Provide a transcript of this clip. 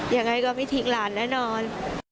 ยังไงก็ไม่ทิ้งหลานแน่นอน